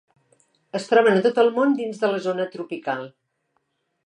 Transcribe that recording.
Es troben a tot el món dins de la zona tropical.